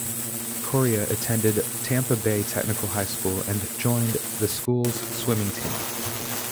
Correia attended Tampa Bay Technical High School and joined the school's swimming team.